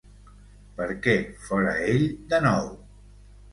Perquè fóra ell de nou.